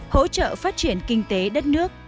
hỗ trợ phát triển kinh tế đất nước